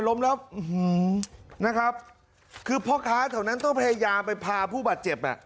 ล้มแล้วนะครับคือพ่อค้าแถวนั้นต้องพยายามไปพาผู้บาดเจ็บอ่ะ